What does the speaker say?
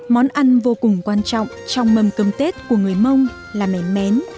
món ăn vô cùng quan trọng trong mâm cơm tết của người mông là mẻ mén